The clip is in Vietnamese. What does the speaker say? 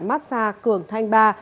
massa cường thanh ba